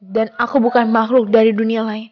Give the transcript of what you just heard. dan aku bukan makhluk dari dunia lainnya